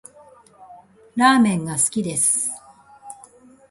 ラーメンが好きです